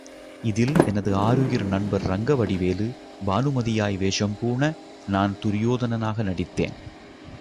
இதில் எனது ஆருயிர் நண்பர் ரங்கவடிவேலு, பானுமதியாய் வேஷம் பூண, நான் துரியோதனனாக நடித்தேன்.